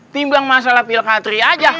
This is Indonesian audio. timbang masalah pilkatri aja